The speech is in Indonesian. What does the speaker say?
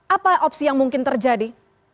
apa opsi yang mungkin terjadi